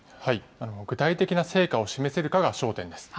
具体的な成果を示せるかが焦点です。